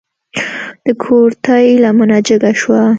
د کورتۍ لمنه جګه شوه.